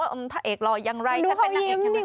ว่าพระเอกรอยังไรฉันเป็นนักเอกใช่ไหม